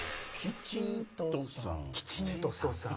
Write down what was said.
「きちんとさん」。